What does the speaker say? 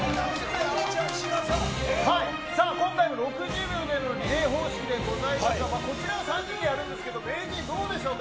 今回も６０秒でのリレー方式でございますけれども、こちらは３人でやるんですけど、名人どうでしょうか？